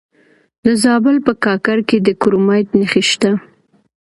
د زابل په کاکړ کې د کرومایټ نښې شته.